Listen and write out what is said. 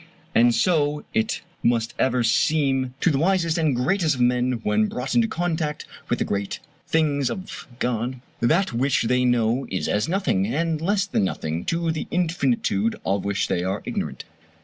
And so it must ever seem to the wisest and greatest of men when brought into contact with the great things of God that which they know is as nothing, and less than nothing, to the infinitude of which they are ignorant.